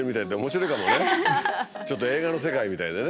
ちょっと映画の世界みたいでね。